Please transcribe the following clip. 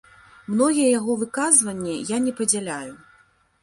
Многія яго выказванні я не падзяляю.